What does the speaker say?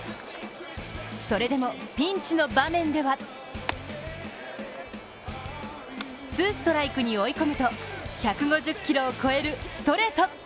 それでもピンチの場面ではツーストライクに追い込むと１５０キロを超えるストレート。